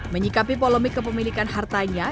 menyikapi polemik kepemilikan hartanya